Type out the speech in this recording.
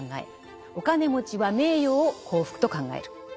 お金持ちは「名誉」を幸福と考える。